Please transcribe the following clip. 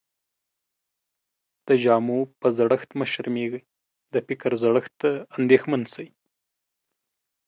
د جامو په زړښت مه شرمېږٸ، د فکر زړښت ته انديښمن سې.